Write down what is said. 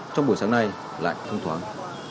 trong buổi sáng nay lại thông thoáng